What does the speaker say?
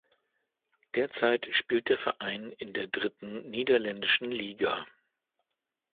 Derzeit spielt der Verein in der dritten niederländischen Liga.